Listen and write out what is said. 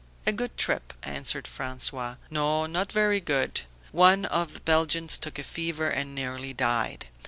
"A good trip," answered François. "No, not very good. One of the Belgians took a fever and nearly died.